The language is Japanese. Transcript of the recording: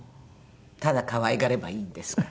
ただ可愛がればいいんですからね。